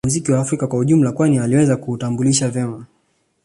Muziki wa Afrika kwa ujumla kwani aliweza kuutambulisha vema